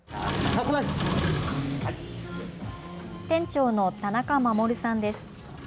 店長の田中守さんです。